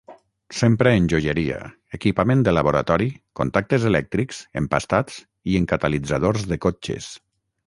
S'empra en joieria, equipament de laboratori, contactes elèctrics, empastats, i en catalitzadors de cotxes.